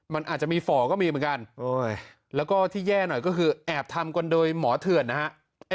มันอาจจะมีฝ่อก็มีเหมือนกันแล้วก็ที่แย่หน่อยก็คือแอบทำกันโดยหมอเถื่อนนะฮะ